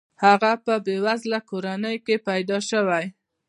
هغه په بې وزله کورنۍ کې پیدا شوی.